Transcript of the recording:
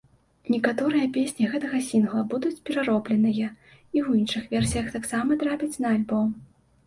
Некаторыя песні гэтага сінгла будуць пераробленыя, і ў іншых версіях таксама трапяць на альбом.